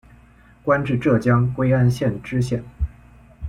官至浙江归安县知县。